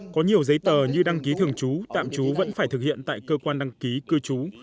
có nhiều giấy tờ như đăng ký thường trú tạm trú vẫn phải thực hiện tại cơ quan đăng ký cư trú